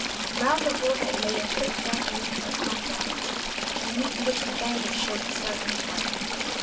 Round her forehead lay a thick dark wreath of corn flowers, beneath which the bandage showed startling white.